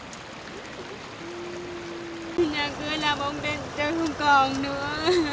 nhà cư làm không còn nữa